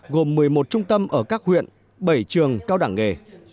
gồm một mươi một trung tâm ở các huyện bảy trường cao đẳng nghề